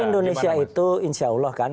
indonesia itu insya allah kan